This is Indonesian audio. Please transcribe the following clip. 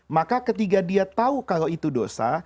maka ketika dia tahu kalau itu dosa